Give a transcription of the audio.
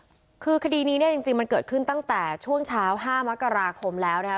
คือคดีนี้เนี่ยจริงจริงมันเกิดขึ้นตั้งแต่ช่วงเช้าห้ามกราคมแล้วนะคะ